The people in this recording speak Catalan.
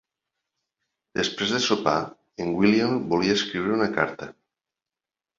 Després del sopar, en William volia escriure una carta.